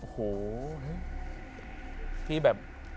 โหพี่แบบ